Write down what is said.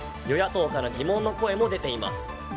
与野党から疑問の声も出ています。